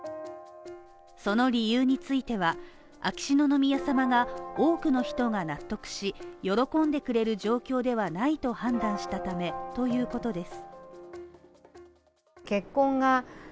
その理由については秋篠宮さまが多くの人が納得し喜んでくれる状況ではないと判断したためということです。